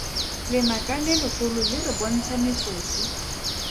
Lenaka le legolo le re bontsha metsotso.